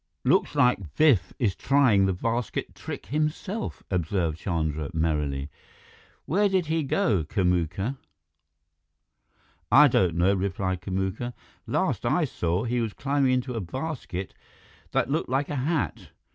"Looks like Biff is trying the basket trick himself," observed Chandra merrily. "Where did he go, Kamuka?" "I don't know," replied Kamuka. "Last I saw, he was climbing into a basket that looked like a hat.